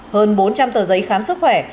hơn bốn trăm linh tờ giấy khám sức khỏe